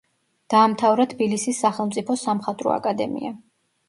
დაამთავრა თბილისის სახელმწიფო სამხატვრო აკადემია.